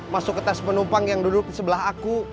masuk ke tas penumpang yang duduk di sebelah aku